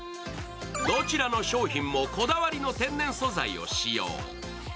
どちらの商品もこだわりの天然素材を使用。